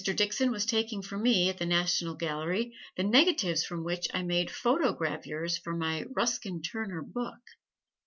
Dixon was taking for me, at the National Gallery, the negatives from which I made photogravures for my Ruskin Turner book.